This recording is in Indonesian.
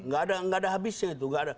gak ada habisnya itu